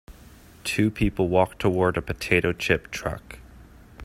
Two people walk toward a potato chip truck.